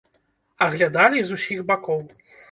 Аглядалі з усіх бакоў.